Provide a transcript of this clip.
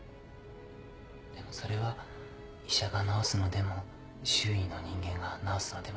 でもそれは医者が治すのでも周囲の人間が治すのでもない。